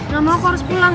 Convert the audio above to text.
gak mau kok harus pulang